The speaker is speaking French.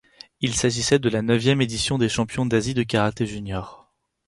Il s'agissait de la neuvième édition des championnats d'Asie de karaté juniors.